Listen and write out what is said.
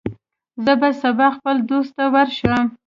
زه به سبا خپل دوست ته ورشم.